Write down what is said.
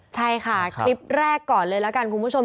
ใช่ค่ะคลิปแรกก่อนเลยละกันคุณผู้ชม